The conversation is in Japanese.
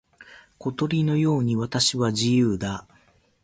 小鳥のように私は自由だ。